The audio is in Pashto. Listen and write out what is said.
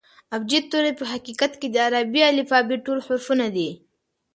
ابجد توري په حقیقت کښي د عربي الفبې ټول حرفونه دي.